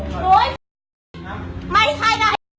ช่วยด้วยค่ะส่วนสุด